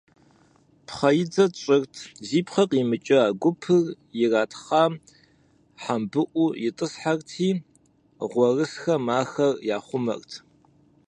Пхъэидзэ тщӀырт, зи пхъэ къимыкӀа гупыр иратхъам хьэмбыӀуу итӏысхьэрти, гъуэрысхэм ахэр яхъумэрт.